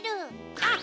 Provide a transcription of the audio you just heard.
あっ！